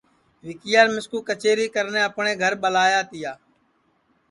وکیان مِسکو کچیری کرنے اپٹؔے گھر ٻلایا تیا